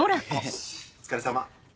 お疲れさま。